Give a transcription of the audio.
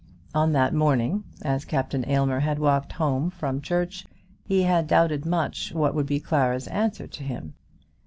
On that morning, as Captain Aylmer had walked home from church, he had doubted much what would be Clara's answer to him.